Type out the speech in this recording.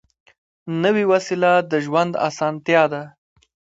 نوې وسیله د ژوند اسانتیا ده